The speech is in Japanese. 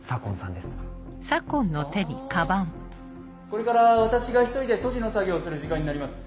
これから私が１人で杜氏の作業をする時間になります。